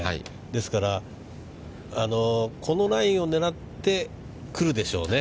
ですから、このラインを狙って来るでしょうね。